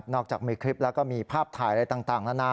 จากมีคลิปแล้วก็มีภาพถ่ายอะไรต่างนานา